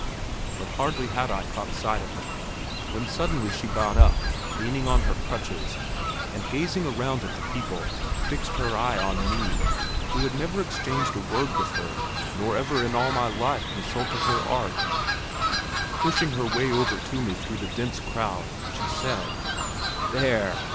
But hardly had I caught sight of them, when suddenly she got up, leaning on her crutches, and, gazing around at the people, fixed her eye on me, who had never exchanged a word with her nor ever in all my life consulted her art. Pushing her way over to me through the dense crowd, she said, 'There!